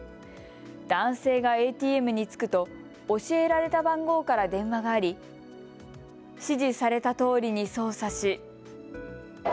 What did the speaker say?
男性がＡＴＭに着くと教えられた番号から電話があり指示されたとおりに操作し。